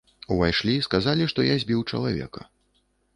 Увайшлі, сказалі, што я збіў чалавека.